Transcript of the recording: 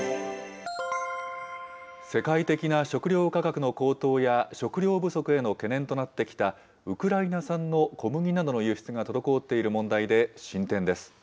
世界的な食料価格の高騰や、食料不足への懸念となってきた、ウクライナ産の小麦などの輸出が滞っている問題で進展です。